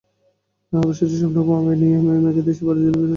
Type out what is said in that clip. অবশেষে স্বপ্ন আমায় নিয়ে গেল মেঘের দেশ পাড়ি দিয়ে স্বপ্নের দেশ আমেরিকায়।